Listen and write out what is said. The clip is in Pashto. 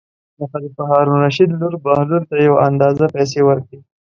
د خلیفه هارون الرشید لور بهلول ته یو اندازه پېسې ورکړې.